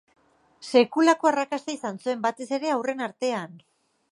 Sekulako arrakasta izan zuen, batez ere haurren artean.